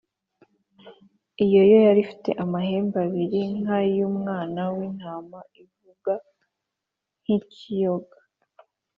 Iyo yo yari ifite amahembe abiri nk’ay’umwana w’intama, ivuga nk’ikiyoka.